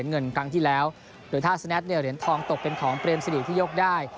เงินครั้งที่แล้วหรือถ้าสแน็ตเนี่ยเหรียญทองตกเป็นของเปรมสิริที่ยกได้